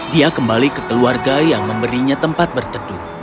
dia kembali ke keluarga yang memberinya tempat berteduh